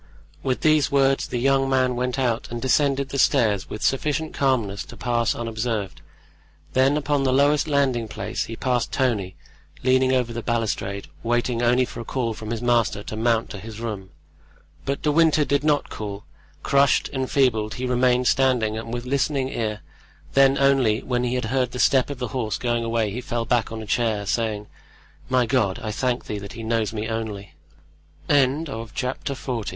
With these words the young man went out and descended the stairs with sufficient calmness to pass unobserved; then upon the lowest landing place he passed Tony, leaning over the balustrade, waiting only for a call from his master to mount to his room. But De Winter did not call; crushed, enfeebled, he remained standing and with listening ear; then only when he had heard the step of the horse going away he fell back on a chair, saying: "My God, I thank Thee that he knows me only." Chapter XLI.